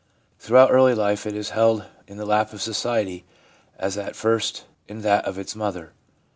Throughout early life it is held in the lap of society as at first in that of its mother.